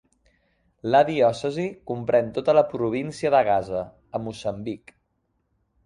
La diòcesi comprèn tota la província de Gaza, a Moçambic.